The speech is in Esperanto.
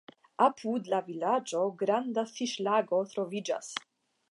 Apud la vilaĝo granda fiŝlago troviĝas.